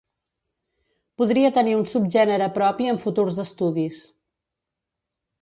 Podria tenir un subgènere propi en futurs estudis.